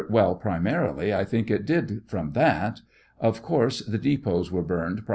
Well, primarily, I think it did from that ; of course the depots were burned pri.